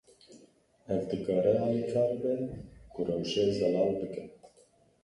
Ev dikare alîkar be, ku rewşê zelal bike.